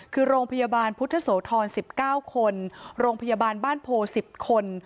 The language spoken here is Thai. คือโรงพยาบาลพุทธโสธร๑๙คนโรงพยาบาลบ้านโพ๑๐คน